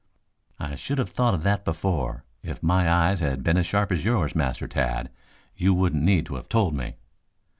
I should have thought of that before. If my eyes had been as sharp as yours, Master Tad, you wouldn't need to have told me."